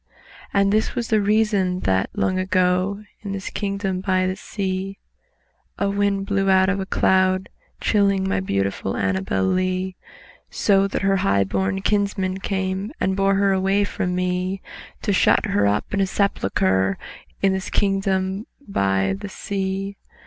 And this was the reason that, long ago, In this kingdom by the sea, A wind blew out of a cloud by night Chilling my ANNABEL LEE; So that her high born kinsmen came And bore her away from me, To shut her up, in a sepulchre In this kingdom by the sea.